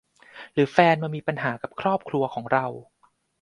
หรือแฟนมามีปัญหากับครอบครัวของเรา